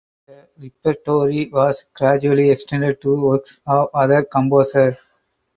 The repertoire was gradually extended to works of other composers.